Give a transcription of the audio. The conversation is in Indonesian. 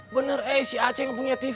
bener eh si aceh yang punya tv